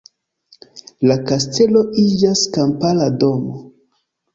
La kastelo iĝas kampara domo.